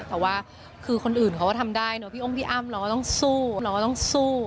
แต่ว่าคือคนอื่นเขาก็ทำได้พี่อ้มพี่อ้ำเราก็ต้องสู้